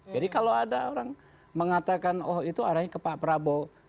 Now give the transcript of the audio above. jadi kalau ada orang mengatakan oh itu arahnya ke pak prabowo